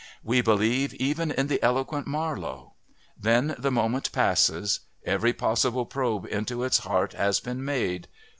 We believe even in the eloquent Marlowe. Then the moment passes. Every possible probe into its heart has been made.